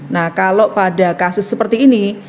nah kalau pada kasus seperti ini